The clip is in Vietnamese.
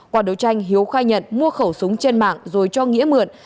qua đấu tranh hiếu khai nhận mua khẩu súng trên mạng rồi cho nghĩa mượn